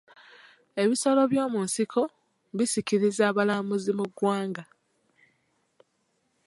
Ebisolo by'omu nsiko bisikiriza abalambuzi mu ggwanga